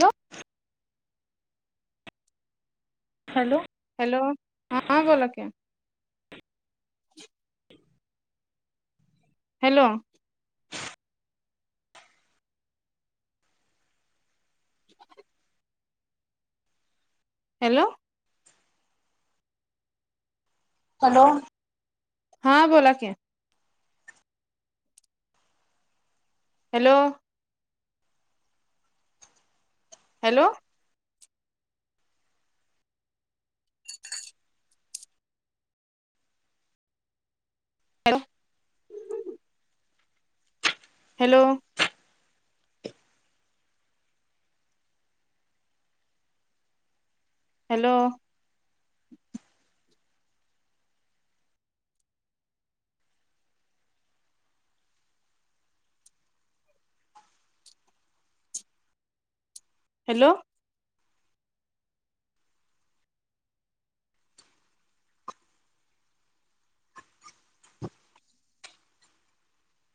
Hello hello hello हा बोोललाक hello [inaudible] hello hello हा बोला क hello hello hello hello hello hello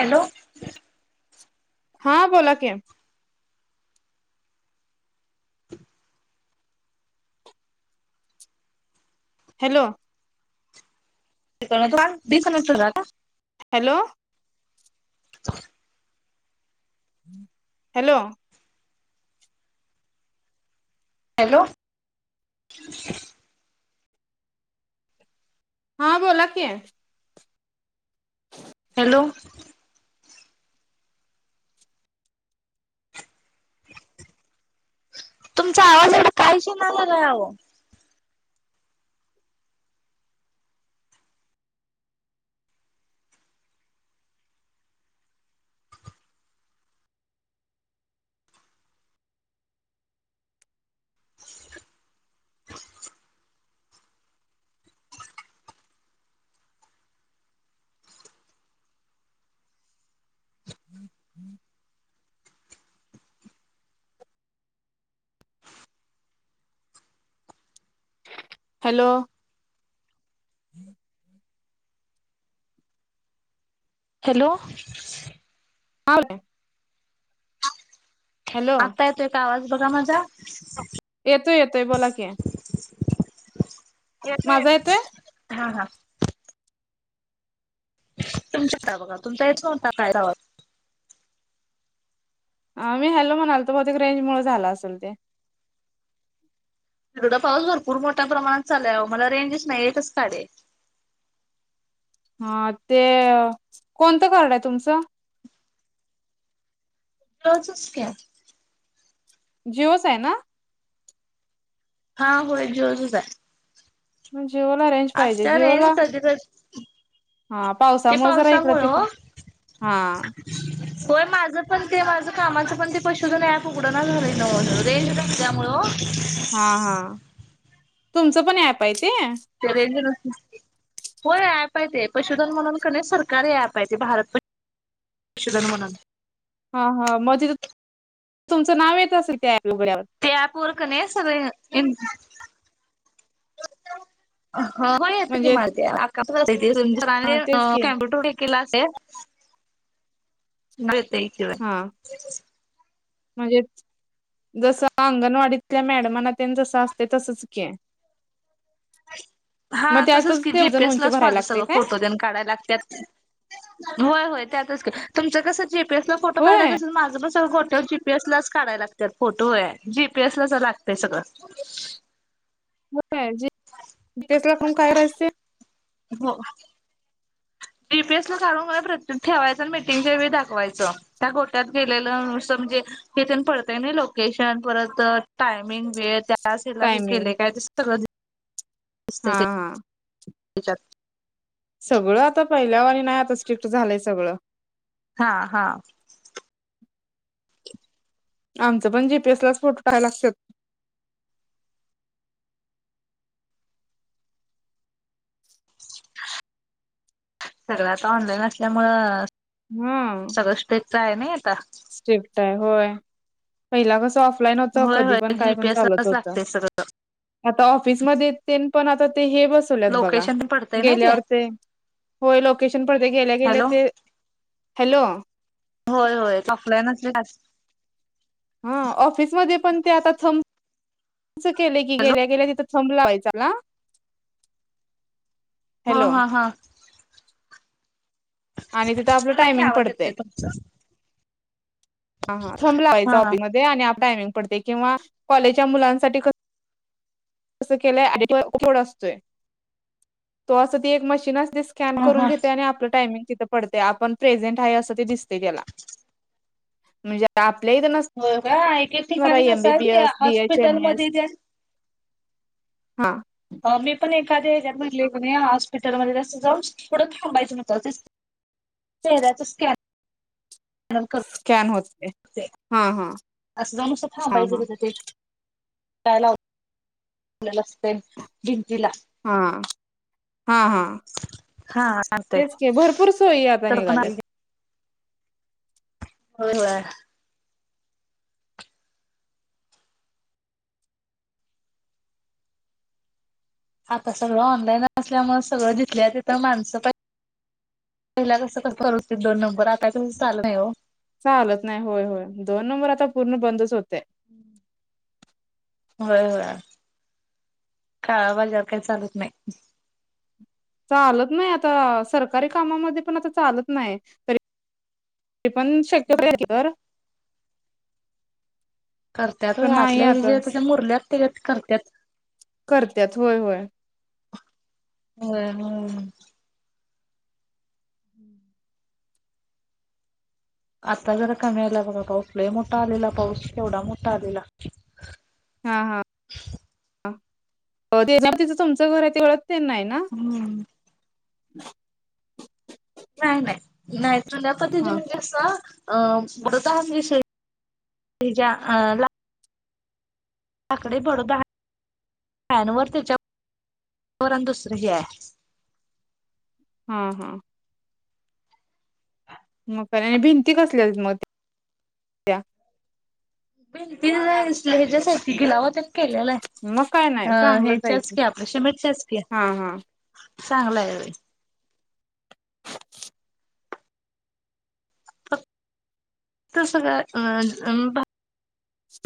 hello हा बोला के हॅलो ते त बीस नस का हॅलो हो हॅलो हॅलो [inaudible] हा बोला कि हो तुमच्या आवाजा काहीशी नाही झाला हम्म हम्म हॅलो हम् हॅलो हले हॅलो आता येतोय एक का आवाज बघा मजा येतोय येतोय बोलाके माझा येतोय हा हा तुमच्या आ बघा तुमचा यच न्हता काय. ह मी हॅलो म्हणालतो बहतक रेंज मु झाला असेल ते. शिर्डा पाऊस भरपूर मोठ्या प्रमाणातचालां मला रेंज नाहीय आहेतच काडे. हा ते कोणतं कर्ड आहे तुमचं. तचच घ्या. जिओस आहे ना. हा हो जोजच आहे. मग जिओ ला रेंज पाहिजे जिओ ला. त का. हा पावसामुळे जरा इकडं ओ तिकड हा. होय माझं पण ते माझं कामाचं पण ते पशूजन या उघडं ना झालंय न रेंज नसल्यामुळ. हां हा तुमचं पण ऍप आहे ते. तेर र. हो प यये पशुधन म्हणून कणे सरकारी प यये भारत प. त् जनवून. हा हा मध्येजे तुमचं नाव येतं असेल त्या उोबऱ्यावर. त्या पोर की नाही सगळी म्हणजे तेच की [unintelligible] केला असेल [unintelligible] हम. [inaudible] मजेत जसं अंगणवाडीतल्या मॅडमना जसं असते तसच की. हा मग तसंच त्यातच की ते वजन जीपीएस उंची लाच भरायला माझं लागते सगळं काय फोटो त्यान काढाय लागत्यात. होय होय त्यातच का तुमच कस जेपीएसला फोटो काढाय होय कस माझं पण सगटे. जीपीएस लाच काढाय लागत फोटो जीपीएस लाच लागतय सगळं. [unintelligible] हो. जीपीएस ला काढून प्रत्येक ठेवायचं आणि मिटिंगच्या वेळी दाखवायचं. त्या गोट्यात गेलेलं अस म्हणजे. तिथे पडतय ना लोकेशन परत टायमिंग वेळ. त्याला की टायमिंग केले काय ते सगळं. हा हा. तेच्याात. सगळं आता पहिल्यावर आणि नाही आता स्ट्रिक्ट झालंय सगळं. हा हा. आमचं पण जीपीएस लाच फोटो टाकाय लागतात. सर्व आता ऑनलाईन असल्यामूळ हम्म से आहे नाही आता. स्ट्रिक्ट आहे होय पहिला कस ऑफ. ऑपलाईन होत होय कधी होय पण काय पण जीपीएस चालत लाच होत. लागतंय सगळं. आता ऑफिसमध्येध्ये येत पण आता ते हे बस. त बघा लोकेशन पण पडतंय नाही ते. गेल्यावर होय लोकेशन पडते गेल्या गेल्या हॅलो ते. हॅलो. होय होय ऑफलाईन हा ऑफिसमध्येध्ये पण ते आता थम केले की गेल्या गेल्या तिथ. थम लावायचा का हो हॅलो हा हा. आणि तिथं आपलं मला की टायमिंग आवाज पडतय, येतोय तुमचा. ह थम हा लावायचा हा ते आणि टायमिंग पडत्या किंवा कॉलेजच्या मुलांसाठी त केलंय कोड असतोय तो अस ती एक मशीन दिस स्कॅन हा करून हा. घेते आणि आपलं टायमिंग तिथं पडते आपण प्रेझेंट आहे असं ते दिसते त्याला म्हणजे आपल्या इथनसते बघा एके ठिकाणी कस ये त्या बीएचएमएस हॉस्पिटलमध्ये त्या हा मी पण एखाद्या हच्या महिले हो हॉस्पिटलमध्ये तसं जाऊन थोडं थांबायचं म्हतं तेराच स्कॅन [inaudible] स्कॅन होते हा हा अस जानस हा हा थांबायचेत ते काय असते भिंतीला हा हा हा हा सांगतोय तेच के भरपूर सोयी आता तर पण निघाल्यात. होय हो होय आता सगळं ऑनलाईन असल्यामुळे सगळं दिसल्या तथ माणसं पाहि पहिला कसं कर होते दोन नंबर आता कस चालू नाही हो चालत नाही होय होय दोन नंबर आता पूर्ण बंदच होते हम्म होय होय काळा बाजार काही चालत नाही चालत नाही आता सरकारी कामामध्ये पण आता चालत नाही तरी ते पण शक्य नाही. तर करतत पण नाही आतल्या आता ज त्याच्या मुरल्यात टिकट करतात करतत होय होय ह हम हम्म आता जरा कमी आला बघा पाऊसला मोठा आलेला पाऊस तेवढा मोठा आलेला हा हा तिथं तुमचं घर आहे तेवढच त्यांना आहे ना हम्म [inaudible] नाही नाही नाही तुद्या प तज हा म्हणजे असं अ बतषच्या आकडे बडॅन व त्याच्याण दुसरही आहे हम्म हम्म मग आणि भिंती कसली मग त्या भेंतीस ह्याच्यासाठी गिलावा त्याच केलेलं मग काय आहे नाही अ चांगलंच आहे हेच्याच की क्या आपल्या शमेटच्याचक्या हा हा. चांगला आहे तस का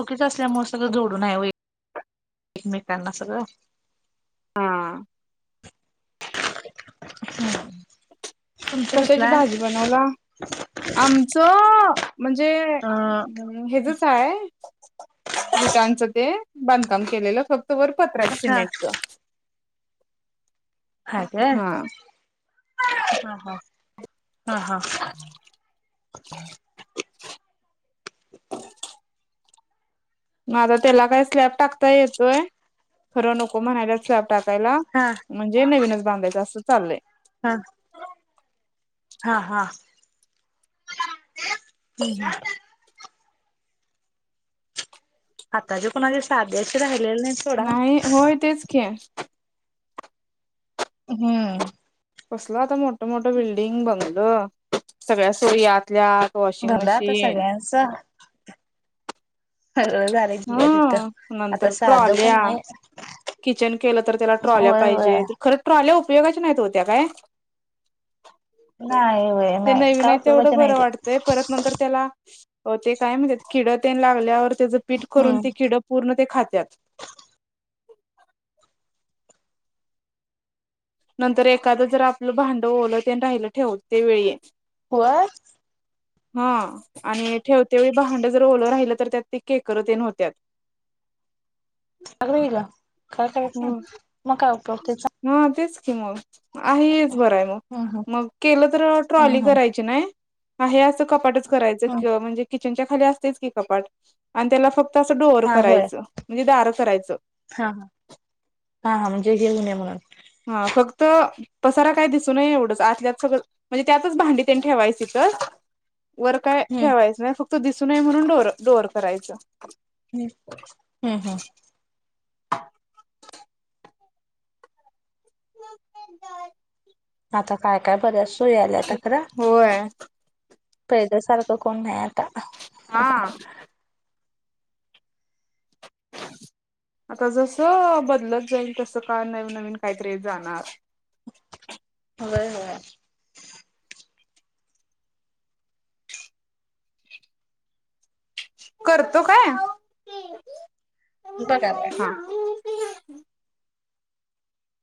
ोकीच असल्या सगळं जोडून आहे व एकमेकांना सगळं हा हम कशाची भाजी बनवला आमचं म्हणजे अ हचचय भटांचं ते बांधकाम केलेलं फक्त वरपत्र्या हा शिमेटच हे ह हा हा हा हा [inaudible] म आझा त्याला काय स्लॅब टाकता येतोय खरं नको म्हणायला स्लॅब टाकायला हा म्हणजे नवीनच बांधायचं असं चाललंय हा हा हा हम् हम् आता जे कोणाचे साधे अस राहिलेले नाही सोडा. नाही होय तेच की हम्म कसलं आता मोठ मोठ बिल्डिंग बंगलं सगळ्या सो्यातल्यात भला आता सगळ्यांच हगळं झा दि तिथं हा आता नंतर साध पण ट्रॉल्या नाही किचन केलं तर त्याला ट्रॉल्या होय होय पाहिजे खरं ट्रॉल्या उपयोगाच्या नाहीत होत्या काय नाही होय ते नाही नवीन काय आहे उपयोगाच तेवढं नाही बरं ते. वाटतंय परत नंतर त्याला हो ते काय म्हणतात किड त्या लागल्यावर त्याचं पीठ करून हम्म ते किड पूर्ण ते खातात नंतर एखादं जर आपलं भांड ओलं ते राहिलं ठेवत ते वेळ येईल हो हा आणि ठेवतेवळी भांडं जर ओलं राहिलं तर त्यात ते केकर येन होत्या सगवीला काय करायचं नाही मग काय उपयबध ह तेच की मग आहेच बरं आहे मग हम्म हम्म. मग केलं तर ट्रॉली हम्म हम्म करायची ना ा हे असं कपाटच हम्म करायचंि म्हणजे किचनच्या खाली असतेच की कपाट आणि त्याला फक्त तसं डोर हा होय करायचं म्हणजे दार करायचं हा ह हा हा म्हणजे घेऊनये म्हणून हा फक्त पसार काय दिसू नये एवढंच आतल्यात सगळं म्हणजे त्यातच भांडी त्यांनी ठेवायची तर वर काय हम्म ठेवायचं नाही फक्त दिसू नये म्हणून डो डोअर करायचं हम्म हम्म हम् आता काय काय बर्या सोय आल्या आता खरं होय. फयद सारखं कोण नाही आता हा आता जसं बदलत जाईल तसं का नवीन नवीन काहीतरी जाणार होय होय करतो काय बघा बघा